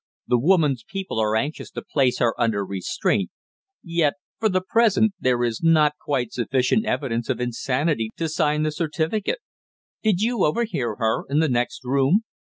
"The woman's people are anxious to place her under restraint; yet, for the present, there is not quite sufficient evidence of insanity to sign the certificate. Did you overhear her in the next room?"